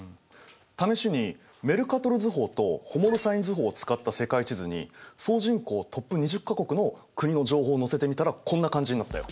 試しにメルカトル図法とホモロサイン図法を使った世界地図に総人口トップ２０か国の国の情報を載せてみたらこんな感じになったよ。